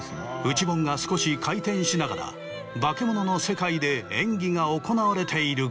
内盆が少し回転しながらバケモノの世界で演技が行われているが。